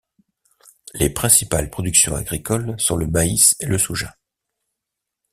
Les principales productions agricoles sont le maïs et le soja.